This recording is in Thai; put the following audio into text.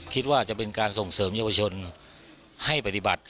คิดว่าจะเป็นการส่งเสริมเยาวชนให้ปฏิบัติ